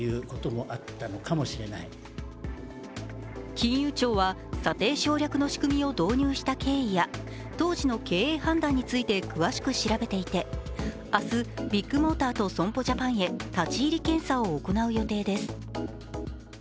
金融庁は査定省略の仕組みを導入した経緯や、当時の経営判断について詳しく調べていて明日、ビッグモーターと損保ジャパンへ立ち入り検査を行う予定です。